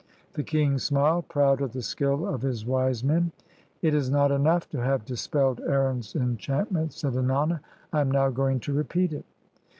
The king smiled, proud of the skill of his wise men. "It is not enough to have dispelled Aaron's enchant ment," said Ennana: "I am now going to repeat it."